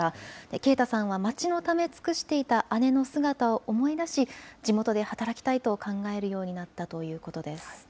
圭太さんは町のため、尽くしていた姉の姿を思い出し、地元で働きたいと考えるようになったということです。